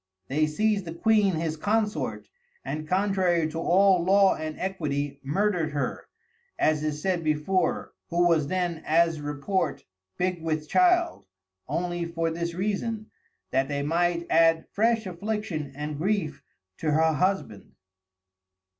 They seized the Queen his Consort, and contrary to all Law and Equity murdered her, as is said before, who was then, as report, big with Child, only for this Reason, that they might add fresh Affliction and Grief to her Husband.